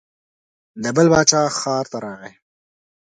د بل باچا ښار ته راغی.